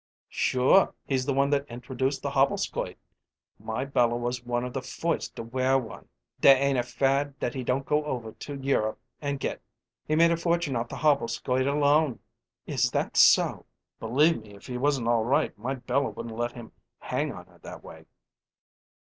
"Sure. He's the one that introduced the hobble skoit. My Bella was one of the foist to wear one. There ain't a fad that he don't go over to Europe and get. He made a fortune off the hobble skoit alone." "Is that so?" "Believe me, if he wasn't all right my Bella wouldn't let him hang on that way."